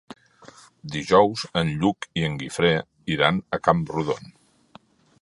Dijous en Lluc i en Guifré iran a Camprodon.